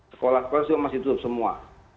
sekolah sekolah semua masih tutup semua